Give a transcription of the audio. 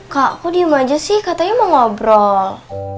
kak aku diem aja sih katanya mau ngobrol